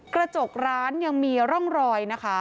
กระจกร้านยังมีร่องรอยนะคะ